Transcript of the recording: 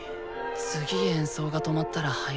次演奏が止まったら入ろうよ。